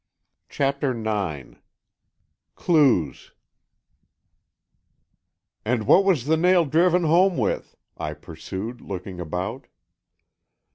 CHAPTER IX CLUES "And what was the nail driven home with?" I pursued, looking about.